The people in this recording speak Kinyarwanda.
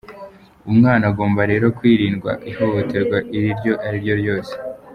Umwana agomba rero kurindwa ihohoterwa iryo ari ryo ryose."